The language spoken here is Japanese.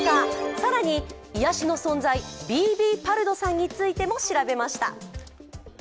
更に、癒しの存在、ＢＢパルドさんについても調べました。